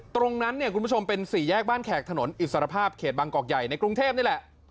ตรงนั้นเนี่ยคุณผู้ชมเป็นสี่แยกบ้านแขกถนนอิสรภาพเขตบางกอกใหญ่ในกรุงเทพนี่แหละ